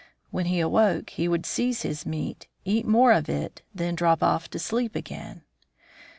When he awoke he would seize his meat, eat more of it, then drop off to sleep again.